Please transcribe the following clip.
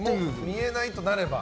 見えないとなれば。